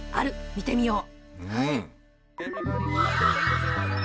見てみよう。